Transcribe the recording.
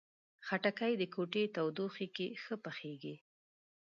خټکی د کوټې تودوخې کې ښه پخیږي.